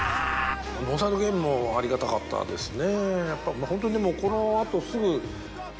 『ノーサイド・ゲーム』もありがたかったですね。